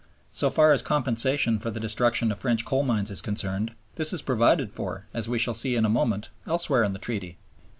So far as compensation for the destruction of French coal mines is concerned, this is provided for, as we shall see in a moment, elsewhere in the Treaty.